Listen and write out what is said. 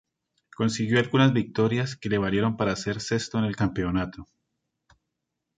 Consiguió algunas victorias que le valieron para ser sexto en el campeonato.